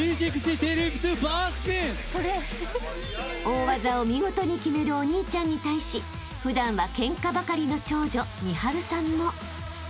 ［大技を見事に決めるお兄ちゃんに対し普段はケンカばかりの長女美晴さんも］